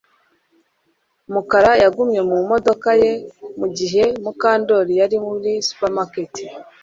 Mukara yagumye mu modoka ye mugihe Mukandoli yari muri supermarket